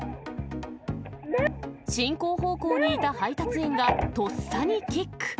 進行方向にいた配達員がとっさにキック。